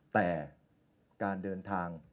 แต่การเดินทาง